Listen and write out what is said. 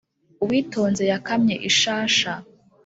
Uwitonze yakamye ishasha